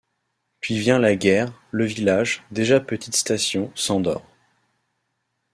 Puis vient la guerre, le village, déjà petite station, s'endort.